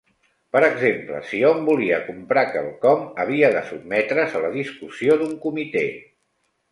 Per exemple, si hom volia comprar quelcom, havia de sotmetre's a la discussió d'un comitè.